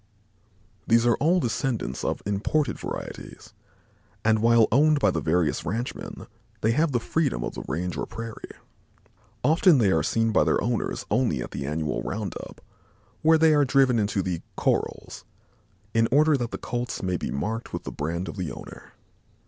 These are all descendants of imported varieties, and while owned by the various ranchmen, they have the freedom of the range or prairie. Ofter they are seen by their owners only at the annual "round up," when they are driven into the "corrals" in order that the colts may be marked with the brand of the owner.